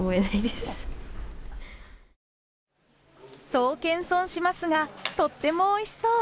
そう謙遜しますがとってもおいしそう。